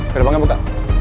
ke depannya buka